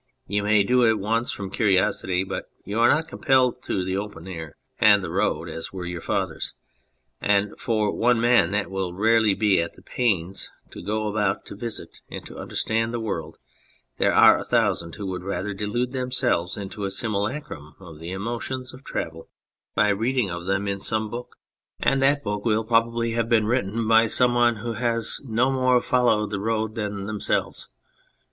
You may do it once from curiosity, but you are not compelled to the open air and the road as were your fathers, and for one man that will rarely be at the pains to go about to visit and to understand the world there are a thousand who would rather delude themselves into a simulacrum of the emotions of travel by reading of them in some book, and that 35 D2 On Anything book will probably have been written by some one who has no more followed the road than themselves.